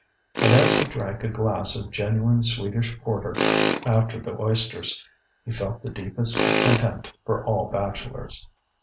And as he drank a glass of genuine Swedish porter after the oysters, he felt the deepest contempt for all bachelors.